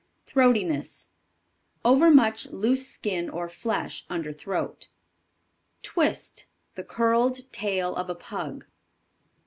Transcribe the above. Throatiness. Overmuch loose skin or flesh under throat. Twist. The curled tail of a Pug.